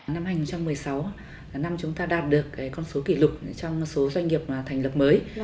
năm hai nghìn một mươi sáu là năm chúng ta đạt được con số kỷ lục trong số doanh nghiệp thành lập mới